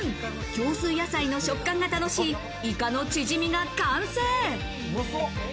業スー野菜の食感が楽しいイカのチヂミが完成。